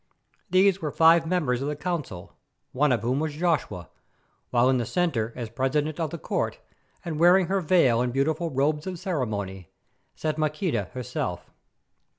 These were five members of the Council, one of whom was Joshua, while in the centre as President of the Court, and wearing her veil and beautiful robes of ceremony, sat Maqueda herself.